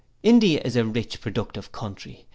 'India is a rich productive country.